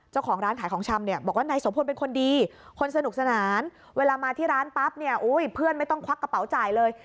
เจ้าของร้านขายของชำเนี่ยบอกว่านายโสพลเป็นคนดีคนสนุกสนานเวลามาที่ร้านปั๊บเนี่ยเพื่อนไม่ต้องควักกระเป๋าจ่ายเลย